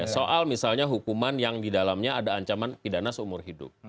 soal misalnya hukuman yang didalamnya ada ancaman pidana seumur hidup